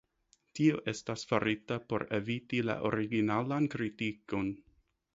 Tio estas farita por eviti la originalan kritikon.